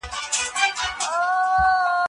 د دورکهايم طرحه دوې لويې موخې لري.